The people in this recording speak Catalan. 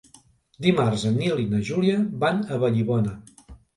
Dimarts en Nil i na Júlia van a Vallibona.